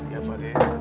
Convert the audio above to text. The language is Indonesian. ya pak de